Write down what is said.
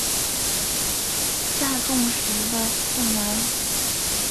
下重实的次男。